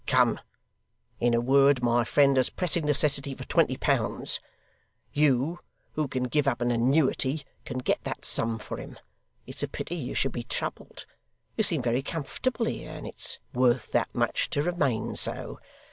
Come. In a word, my friend has pressing necessity for twenty pounds. You, who can give up an annuity, can get that sum for him. It's a pity you should be troubled. You seem very comfortable here, and it's worth that much to remain so.